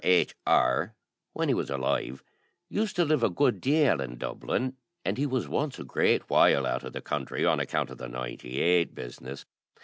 H R , when he was alive, used to live a good deal in Dublin, and he was once a great while out of the country on account of the "ninety eight" business.